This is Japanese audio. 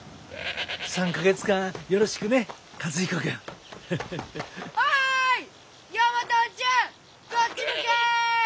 ３か月間よろしくね和彦君。おい！